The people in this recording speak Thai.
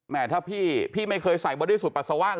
แหมถ้าพี่พี่ไม่เคยใส่บอดี้สูตรปัสสาวะเหรอ